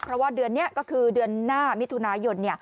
เพราะว่าเดือนนี้ก็คือเดือนหน้ามิถุนายน